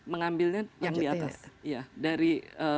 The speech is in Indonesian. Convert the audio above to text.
mengambilnya yang di atas ya dari